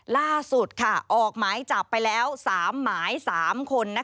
ล่าสุดออกหมายจับไปแล้ว๓หมาย๓คน